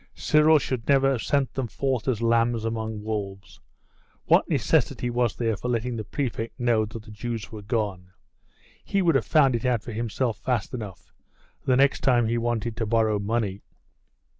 Cyril should never have sent them forth as lambs among wolves. What necessity was there for letting the prefect know that the Jews were gone? He would have found it out for himself fast enough, the next time he wanted to borrow money.